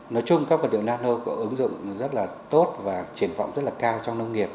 nói chung các phần liệu nano có ứng dụng rất tốt và triển vọng rất cao trong nông nghiệp